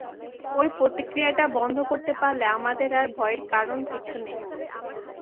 ঐ প্রতিক্রিয়াটা বন্ধ করতে পারলে আমাদের আর ভয়ের কারণ কিছু নেই।